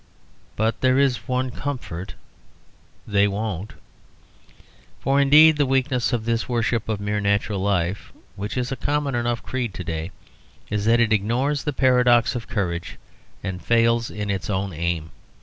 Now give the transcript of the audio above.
But there is one comfort: they won't. For, indeed, the weakness of this worship of mere natural life (which is a common enough creed to day) is that it ignores the paradox of courage and fails in its own aim.